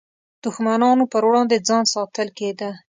دښمنانو پر وړاندې ځان ساتل کېده.